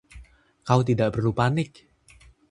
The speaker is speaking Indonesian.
Kau tidak perlu panik.